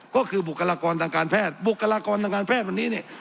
ก็คือบุคลากรทางการแพทย์บุคลากรทางการแพทย์วันนี้เนี่ย